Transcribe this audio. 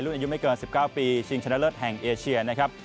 รุ่นอายุไม่เกินสิบเก้าปีชิงชนะเลิศแห่งเอเชียนะครับ